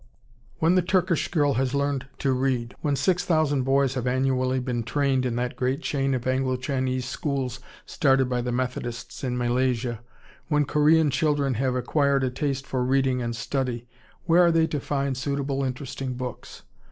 ] When the Turkish girl has learned to read, when six thousand boys have annually been trained in that great chain of Anglo Chinese schools started by the Methodists in Malaysia, when Korean children have acquired a taste for reading and study, where are they to find suitable, interesting books?